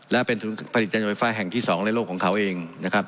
และเป็นศูนย์ผลิตจันยนต์ไฟฟ้าแห่งที่๒ในโลกของเขาเองนะครับ